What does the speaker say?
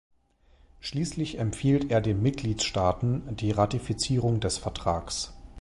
Schließlich empfiehlt er den Mitgliedstaaten die Ratifizierung des Vertrags.